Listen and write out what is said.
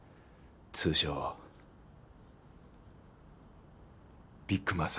通称ビッグマザー。